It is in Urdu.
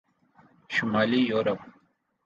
شمالی یورپ